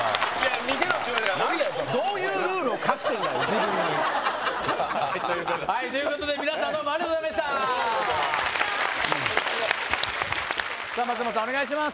見せろって言うから自分にはいということで皆さんどうもありがとうございましたさあ松本さんお願いします